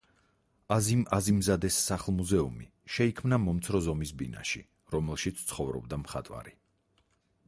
აზიმ აზიმზადეს სახლ-მუზეუმი შეიქმნა მომცრო ზომის ბინაში, რომელშიც ცხოვრობდა მხატვარი.